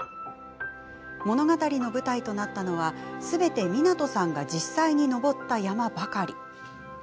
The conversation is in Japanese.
物語の舞台となったのはすべて湊さんが実際に登った山ばかり。